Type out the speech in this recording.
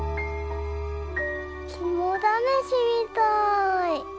きもだめしみたい。